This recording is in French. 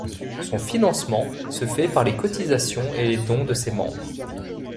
Son financement se fait par les cotisations et les dons de ses membres.